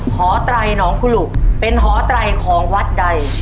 หอไตรหนองคุหลุเป็นหอไตรของวัดใด